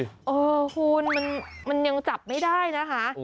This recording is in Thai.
เออคุณมันยังจับไม่ได้นะคะ